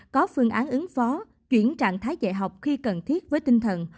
có phương án ứng phó chuyển trạng thái dạy học khi cần thiết với tinh thần